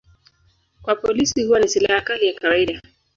Kwa polisi huwa ni silaha kali ya kawaida.